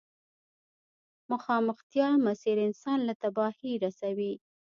مخامختيا مسير انسان له تباهي رسوي.